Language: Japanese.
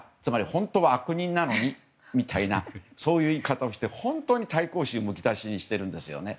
本当は悪人なのにみたいなそういう言い方をして本当に対抗心むき出しにしているんですよね。